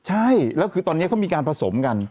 ใช่แล้วคือตอนนี้เขามีการผสมกัน